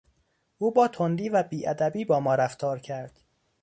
او با تندی و بیادبی با ما رفتار کرد.